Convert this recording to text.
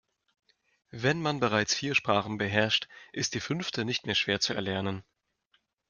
Wenn man bereits vier Sprachen beherrscht, ist die fünfte nicht mehr schwer zu erlernen.